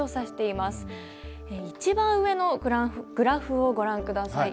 一番上のグラフをご覧下さい。